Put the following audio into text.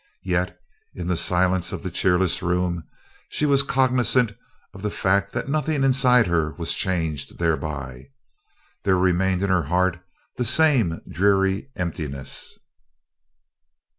Yet, in the silence of the cheerless room, she was cognizant of the fact that nothing inside of her was changed thereby. There remained in her heart the same dreary emptiness.